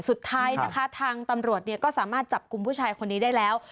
สุดท้ายนะคะทางตำรวจเนี่ยก็สามารถจับกลุ่มผู้ชายคนนี้ได้แล้ว